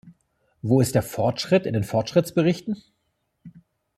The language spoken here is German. Wo ist der Fortschritt in den Fortschrittsberichten?